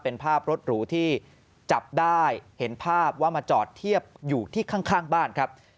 เป็นภาพรถหรูที่จับได้เห็นภาพว่ามาจอดเทียบอยู่ที่ข้างบ้านครับ